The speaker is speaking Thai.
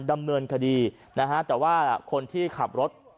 ดำเนินคดีนะฮะแต่ว่าคนที่ขับรถ